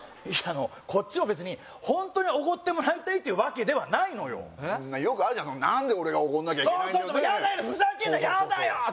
いやあのこっちも別にホントにおごってもらいたいっていうわけではないのよよくあるじゃん何で俺がおごんなきゃいけないそうそうやだよ